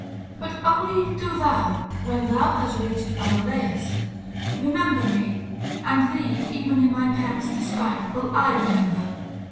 But only do thou, when thou hast reached Iolcus, remember me, and thee even in my parents' despite, will I remember.